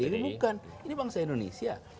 ini bukan ini bangsa indonesia